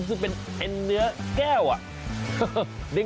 ซึ่งเป็นเอ็นเนื้อแก้วอะ